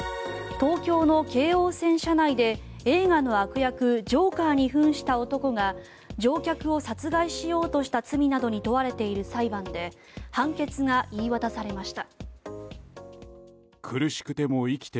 東京の京王線車内で映画の悪役ジョーカーに扮した男が乗客を殺害しようとした罪などに問われている裁判で判決が言い渡されました。